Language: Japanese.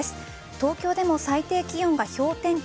東京でも最低気温が氷点下